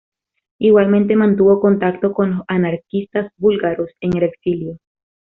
Igualmente mantuvo contacto con los anarquistas búlgaros en el exilio.